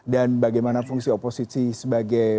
bagaimana fungsi oposisi sebagai